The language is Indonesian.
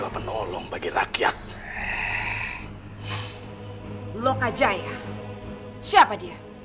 voy terlalu ketat